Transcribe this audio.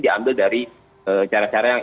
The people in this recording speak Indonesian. diambil dari cara cara yang